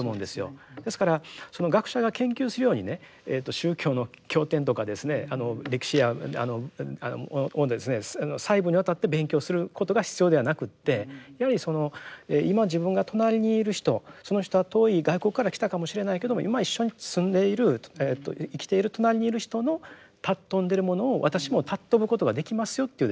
ですから学者が研究するようにね宗教の経典とかですね歴史や細部にわたって勉強することが必要ではなくってやはり今自分が隣にいる人その人は遠い外国から来たかもしれないけども今一緒に住んでいる生きている隣にいる人の尊んでるものを私も尊ぶことができますよというですね